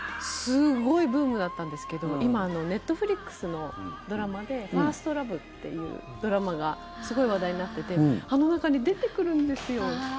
すごいブームだったんですけど今、ネットフリックスのドラマで「ＦｉｒｓｔＬｏｖｅ」っていうドラマがすごい話題になっていてあの中に出てくるんですよ。